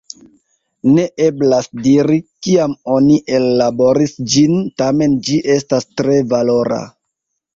Ne eblas diri, kiam oni ellaboris ĝin, tamen ĝi estas tre valora.